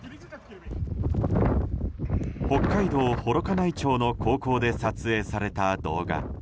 北海道幌加内町の高校で撮影された動画。